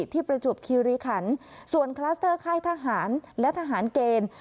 ประจวบคิริขันส่วนคลัสเตอร์ค่ายทหารและทหารเกณฑ์